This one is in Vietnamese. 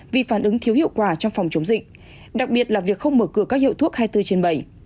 vì phản ứng thiếu hiệu quả trong phòng chống dịch đặc biệt là việc không mở cửa các hiệu thuốc hai mươi bốn trên bảy